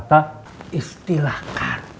pergi sama laki laki